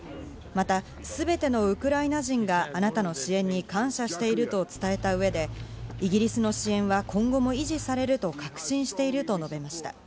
また、全てのウクライナ人があなたの支援に感謝していると伝えた上で、イギリスの支援は今後も維持されると確信していると述べました。